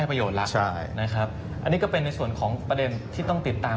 ประโยชน์แล้วใช่นะครับอันนี้ก็เป็นในส่วนของประเด็นที่ต้องติดตาม